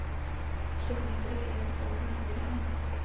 Z toho některé jen v omezeném vydání.